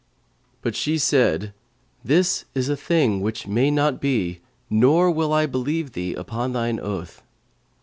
But she said, "This is a thing which may not be nor will I believe thee upon thine oath."